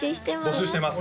募集してます